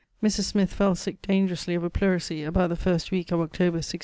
Mris Smyth fell sick dangerously of a pleurisie about the first weeke of October 1675.